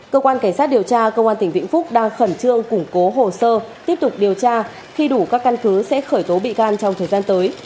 cơ quan cảnh sát điều tra công an tỉnh vĩnh phúc đang khẩn trương củng cố hồ sơ tiếp tục điều tra khi đủ các căn cứ sẽ khởi tố bị can trong thời gian tới